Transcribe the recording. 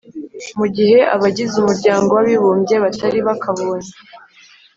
mu gihe abagize umuryango w'abibumbye batari bakabonye